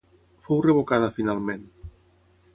Fou revocada finalment.